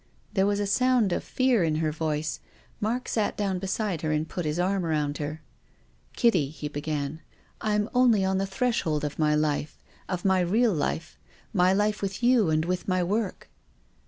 There was a sound of fear in her voice. Mark sat down beside her and put his arm round her. " Kitty," he began. " I'm only on the thresh old of my life, of my real life, my life with you and with my work."